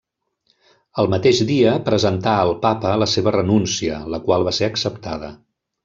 El mateix dia presentà al Papa la seva renúncia, la qual va ser acceptada.